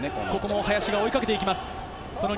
林が追いかけていきます。